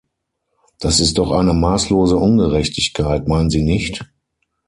Das ist doch eine maßlose Ungerechtigkeit, meinen Sie nicht?